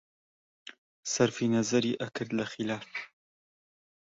سەرفی نەزەری ئەکرد لە خیلاف